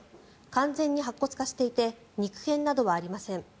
完全に白骨化していて肉片などはありません。